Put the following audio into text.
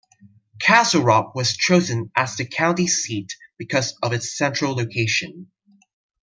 Castle Rock was chosen as the county seat because of its central location.